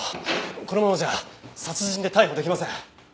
このままじゃ殺人で逮捕出来ません。